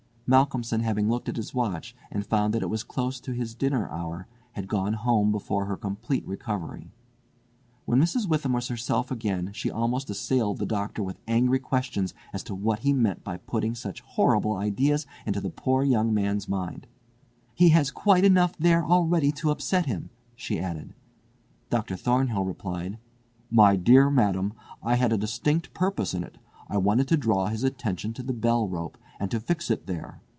Malcolmson having looked at his watch, and found that it was close to his dinner hour, had gone home before her complete recovery. When Mrs. Witham was herself again she almost assailed the Doctor with angry questions as to what he meant by putting such horrible ideas into the poor young man's mind. "He has quite enough there already to upset him," she added. Dr. Thornhill replied: "My dear madam, I had a distinct purpose in it! I wanted to draw his attention to the bell rope, and to fix it there.